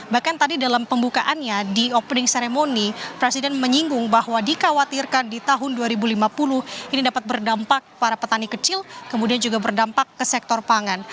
bahkan tadi dalam pembukaannya di opening ceremony presiden menyinggung bahwa dikhawatirkan di tahun dua ribu lima puluh ini dapat berdampak para petani kecil kemudian juga berdampak ke sektor pangan